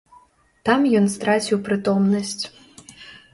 Там ён страціў прытомнасць.